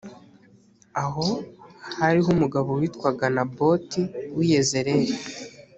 aho hariho umugabo witwaga naboti w i yezereli